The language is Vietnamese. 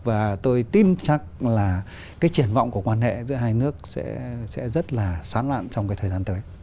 và tôi tin chắc là cái triển vọng của quan hệ giữa hai nước sẽ rất là sán lạn trong cái thời gian tới